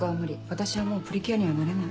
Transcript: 私はもうプリキュアにはなれない。